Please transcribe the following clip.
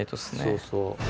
そうそう。